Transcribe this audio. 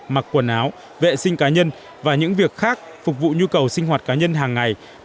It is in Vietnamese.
mặc quần áo vệ sinh cá nhân và những việc khác phục vụ nhu cầu sinh hoạt cá nhân hàng ngày